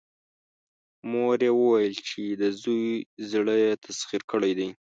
مور يې وويل چې د زوی زړه يې تسخير کړی دی.